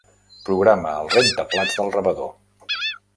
Programa el rentaplats del rebedor.